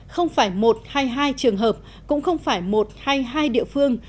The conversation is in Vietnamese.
không phải một hay hai trường hợp cũng không phải một hay hai địa phương